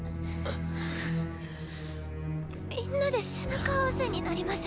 みんなで背中合わせになりません？